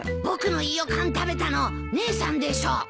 僕のイヨカン食べたの姉さんでしょ。